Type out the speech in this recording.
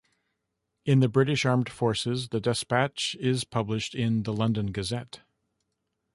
In the British Armed Forces, the despatch is published in the "London Gazette".